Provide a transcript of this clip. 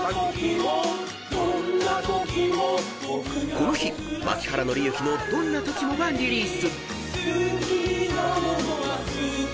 ［この日槇原敬之の『どんなときも。』がリリース］